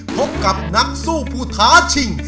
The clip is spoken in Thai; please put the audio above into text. พบกับนักสู้ผู้ท้าชิง